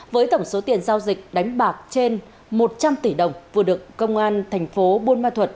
với tổng số tiền giao dịch đánh bạc trên một trăm linh tỷ đồng vừa được công an thành phố buôn ma thuật